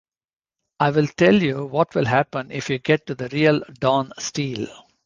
I'll tell you what will happen if you get to The Real Don Steele.